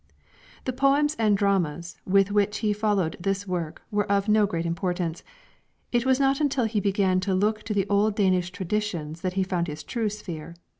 The poems and dramas with which he followed this work were of no great importance. It was not until he began to look into the old Danish traditions that he found his true sphere.